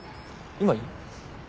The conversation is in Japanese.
今いい？